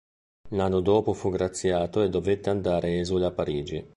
L'anno dopo fu graziato e dovette andare esule a Parigi.